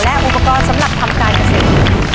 และอุปกรณ์สำหรับทำการเกษตร